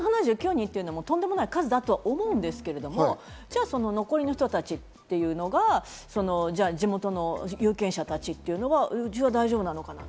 １７９人というのもとんでもない数だと思うんですけど、じゃあ残りの人たちっていうのがじゃあ、地元の有権者たちというのがうちは大丈夫なのかな？